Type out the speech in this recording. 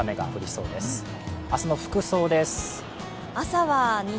明日の服装です。